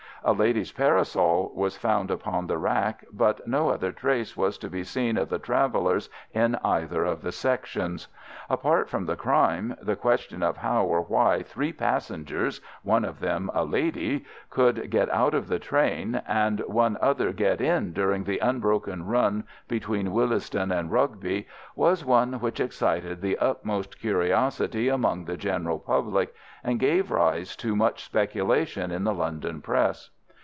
A lady's parasol was found upon the rack, but no other trace was to be seen of the travellers in either of the sections. Apart from the crime, the question of how or why three passengers (one of them a lady) could get out of the train, and one other get in during the unbroken run between Willesden and Rugby, was one which excited the utmost curiosity among the general public, and gave rise to much speculation in the London Press.